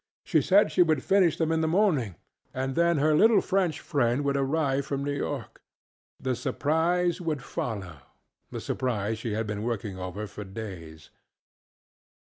She said she would finish them in the morning, and then her little French friend would arrive from New YorkŌĆöthe surprise would follow; the surprise she had been working over for days.